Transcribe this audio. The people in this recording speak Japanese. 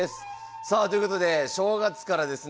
さあということで正月からですね